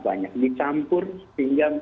banyak dicampur sehingga